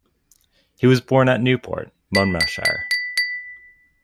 He was born at Newport, Monmouthshire.